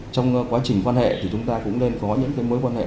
trong quá trình quan hệ thì chúng ta cũng nên có những mối quan hệ